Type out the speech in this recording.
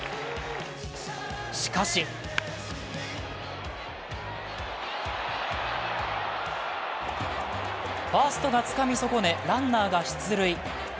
しかしファーストがつかみ損ね、ランナーが出塁。